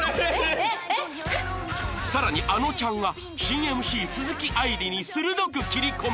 更にあのちゃんが新 ＭＣ 鈴木愛理に鋭く切り込む！